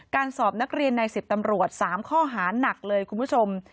สอบนักเรียนใน๑๐ตำรวจ๓ข้อหานักเลยคุณผู้ชม